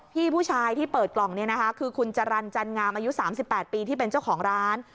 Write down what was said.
พี่ผู้ชายที่เปิดกล่องนี้นะคะคือคุณจรรย์จันงามอายุ๓๘ปีที่เป็นเจ้าของร้าน